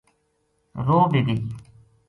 رو بھی گئی